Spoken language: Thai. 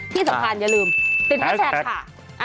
ที่สะพานอย่าลืมติดแฮดแชกค่ะ